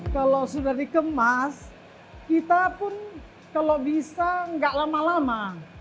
kalau sudah dikemas kita pun kalau bisa nggak lama lama